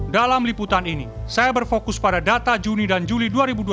dalam liputan ini saya berfokus pada data juni dan juli dua ribu dua puluh